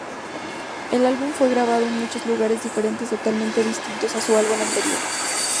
El álbum fue grabado en muchos lugares diferentes, totalmente distinto a su álbum anterior.